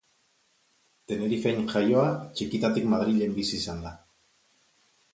Tenerifen jaioa, txikitatik Madrilen bizi izan da.